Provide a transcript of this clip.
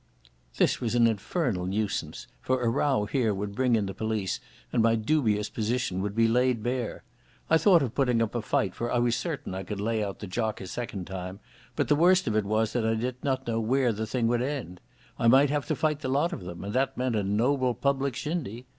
This was an infernal nuisance, for a row here would bring in the police, and my dubious position would be laid bare. I thought of putting up a fight, for I was certain I could lay out the jock a second time, but the worst of that was that I did not know where the thing would end. I might have to fight the lot of them, and that meant a noble public shindy.